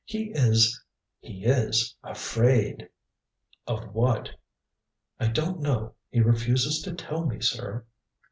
He is he is afraid!" "Of what?" "I don't know: he refuses to tell me, sir."